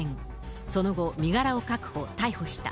その後、身柄を確保、逮捕した。